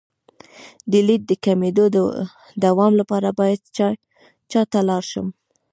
د لید د کمیدو د دوام لپاره باید چا ته لاړ شم؟